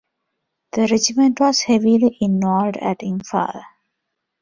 The regiment was heavily involved at Imphal.